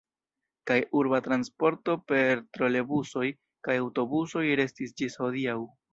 Kaj urba transporto per trolebusoj kaj aŭtobusoj restis ĝis hodiaŭ.